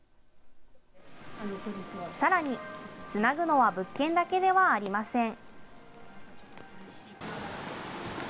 さらに、つなぐのは物件だけではありません。